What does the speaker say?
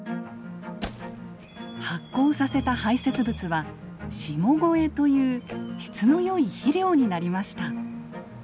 発酵させた排せつ物は「下肥」という質の良い肥料になりました。